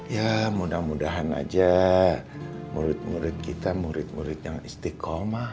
ya mudah mudahan aja murid murid kita murid murid yang istiqomah